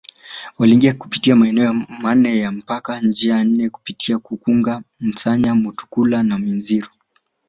Waliingia kupitia maeneo manne ya mpaka njia nne kupitia Kukunga Masanya Mutukula na Minziro